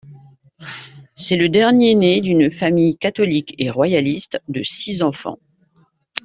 C'est le dernier né d'une famille, catholique et royaliste, de six enfants.